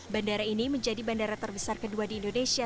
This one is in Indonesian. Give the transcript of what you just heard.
bandara ini menjadi bandara terbesar kedua di indonesia